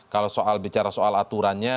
kalau bicara soal aturannya